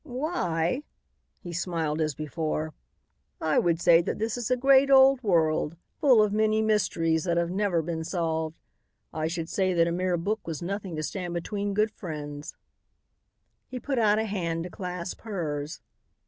"Why," he smiled as before, "I would say that this was a great old world, full of many mysteries that have never been solved. I should say that a mere book was nothing to stand between good friends." He put out a hand to clasp hers.